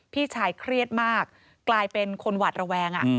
พี่ชายเครียดมากกลายเป็นคนหวาดระแวง